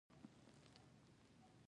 آیا کاناډا د سرو زرو زیرمې نه دي پلورلي؟